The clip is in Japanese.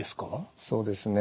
そうですね。